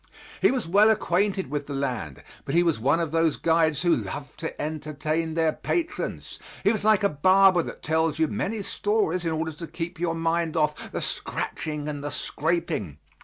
He was well acquainted with the land, but he was one of those guides who love to entertain their patrons; he was like a barber that tells you many stories in order to keep your mind off the scratching and the scraping.